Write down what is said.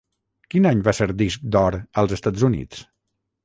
Quin any va ser disc d'or als Estats Units?